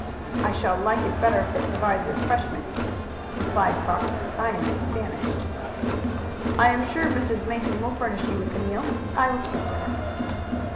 "I shall like it better if it provides refreshments," replied Fox. "I am famished." "I am sure Mrs. Mason will furnish you with a meal. I will speak to her."